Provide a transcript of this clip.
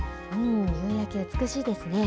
夕焼け、美しいですね。